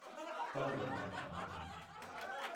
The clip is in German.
Darüber kann man streiten.